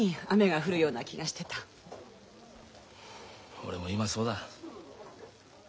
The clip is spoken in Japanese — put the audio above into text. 俺も今そうだ。